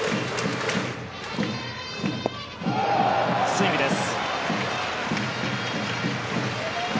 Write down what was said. スイングです。